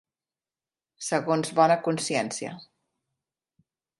Segons bona consciència.